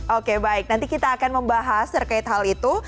oke baik nanti kita akan membahas terkait hal itu